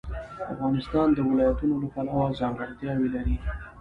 افغانستان د ولایتونو له پلوه ځانګړتیاوې لري.